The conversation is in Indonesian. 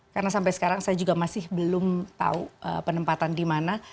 karena sampai sekarang saya juga masih belum tahu penempatan di mana